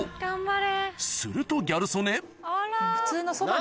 するとギャル曽根